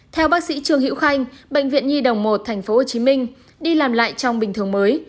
theo bác sĩ trương hữu khanh bệnh viện nhi đồng một tp hcm đi làm lại trong bình thường mới